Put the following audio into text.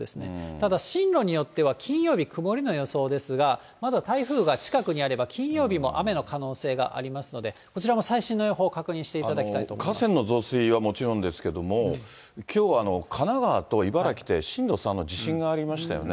ただ、進路によっては、金曜日、曇りの予想ですが、まだ台風が近くにあれば、金曜日も雨の可能性がありますので、こちらも最新の予報を確認していただきたいと思河川の増水はもちろんですけれども、きょうは神奈川と茨城で震度３の地震がありましたよね。